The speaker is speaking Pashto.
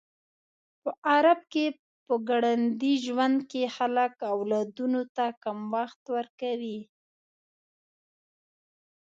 په غرب کې په ګړندي ژوند کې خلک اولادونو ته کم وخت ورکوي.